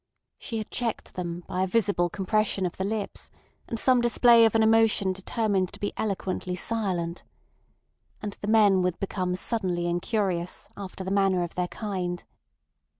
She had checked them by a visible compression of the lips and some display of an emotion determined to be eloquently silent. And the men would become suddenly incurious, after the manner of their kind.